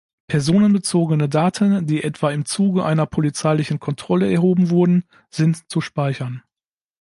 Personenbezogene Daten, die etwa im Zuge einer polizeilichen Kontrolle erhoben wurden, sind zu speichern.